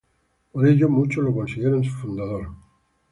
Por ello, muchos lo consideran su fundador.